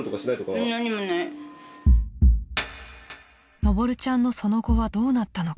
［のぼるちゃんのその後はどうなったのか］